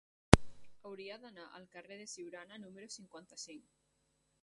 Hauria d'anar al carrer de Siurana número cinquanta-cinc.